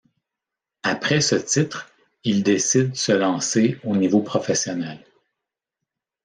Après ce titre, il décide se lancer au niveau professionnel.